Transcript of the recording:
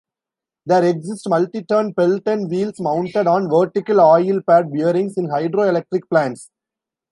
There exist multi-ton Pelton wheels mounted on vertical oil pad bearings in hydroelectric plants.